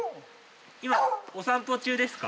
今お散歩中ですか？